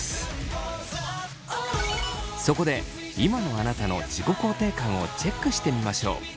そこで今のあなたの自己肯定感をチェックしてみましょう。